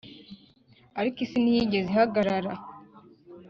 ariko isi ntiyigeze ihagarara,